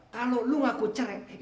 kalau lu ngaku cerai